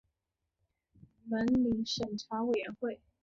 伦理审查委员会